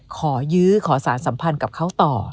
ขอยื้อขอสารสัมพันธ์กับเขาต่อ